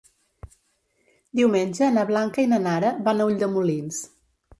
Diumenge na Blanca i na Nara van a Ulldemolins.